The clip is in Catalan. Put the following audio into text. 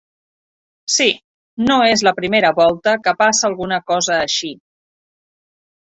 Sí, no és la primera volta que passa alguna cosa així.